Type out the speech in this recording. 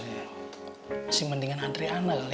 masih mendingan adriana kali ya